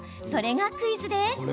それがクイズです。